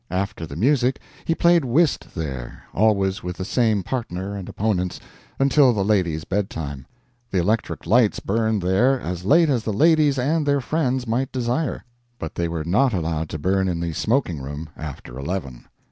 After the music he played whist there, always with the same partner and opponents, until the ladies' bedtime. The electric lights burned there as late as the ladies and their friends might desire; but they were not allowed to burn in the smoking room after eleven.